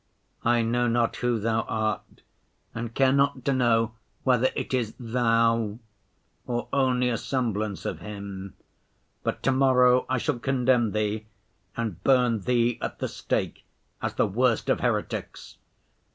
I know not who Thou art and care not to know whether it is Thou or only a semblance of Him, but to‐morrow I shall condemn Thee and burn Thee at the stake as the worst of heretics.